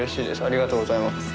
ありがとうございます。